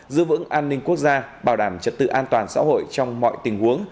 giữ vững an ninh quốc gia bảo đảm trật tự an toàn xã hội trong mọi tình huống